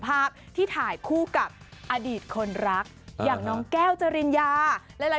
ภาพที่ถ่ายคู่กับอดีตคนรักอย่างน้องแก้วจริญญาหลาย